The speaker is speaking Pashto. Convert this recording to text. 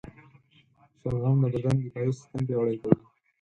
شلغم د بدن دفاعي سیستم پیاوړی کوي.